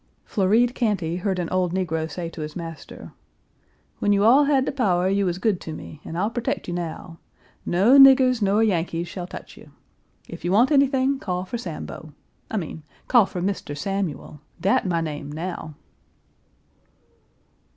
Floride Cantey heard an old negro say to his master: "When you all had de power you was good to me, and I'll protect you now. No niggers nor Yankees shall tech you. If you want anything call for Sambo. I mean, call for Mr. Samuel; dat my name now."